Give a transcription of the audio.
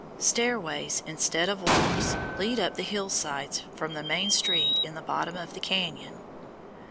Stairways, instead of walks, lead up the hillsides from the main street in the bottom of the cañon.